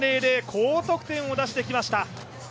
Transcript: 高得点を出してきました。